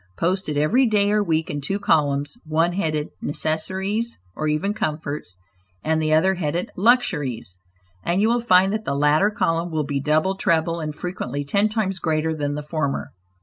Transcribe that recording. Post it every day or week in two columns, one headed "necessaries" or even "comforts", and the other headed "luxuries," and you will find that the latter column will be double, treble, and frequently ten times greater than the former.